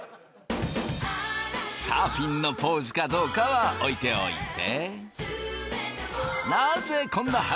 サーフィンのポーズかどうかは置いておいて。